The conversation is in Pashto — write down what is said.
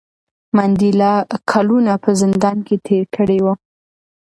منډېلا کلونه په زندان کې تېر کړي وو.